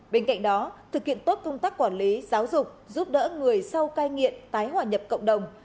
bên cạnh đó thực hiện tốt công tác quản lý giáo dục giúp đỡ người sau cai nghiện tái hòa nhập cộng đồng